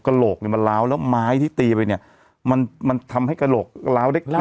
โหลกเนี่ยมันล้าวแล้วไม้ที่ตีไปเนี่ยมันมันทำให้กระโหลกล้าวเล็ก